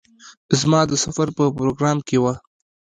زما د سفر په پروگرام کې وه.